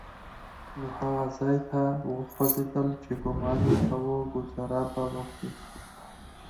نو هغه ځای ته وخوځېدل چې ګومان يې کاوه ګوزاره به وکړي.